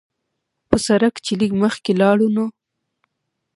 پۀ سړک چې لږ مخکښې لاړو نو